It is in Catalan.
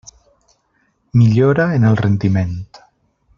Millora en el rendiment.